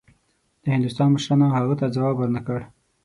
د هندوستان مشرانو هغه ته ځواب ورنه کړ.